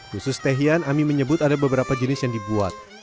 khusus tehian ami menyebut ada beberapa jenis yang dibuat